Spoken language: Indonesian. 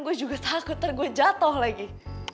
gue juga takut ntar gue jatoh lagi